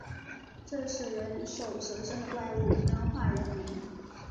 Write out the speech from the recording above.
这是人首蛇身的怪物，能唤人名